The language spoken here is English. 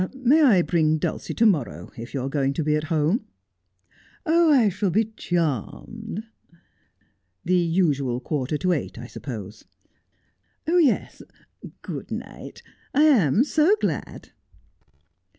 May I bring Dulcie to morrow, if you are going to be at home 1 '' I shall be charmed.' ' The usual quarter to eight, I suppose ?'' Yes ; good night. I am so glad.'